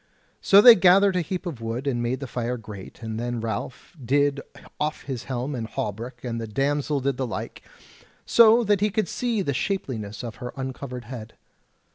So they gathered a heap of wood and made the fire great; and then Ralph did off his helm and hauberk and the damsel did the like, so that he could see the shapeliness of her uncovered head.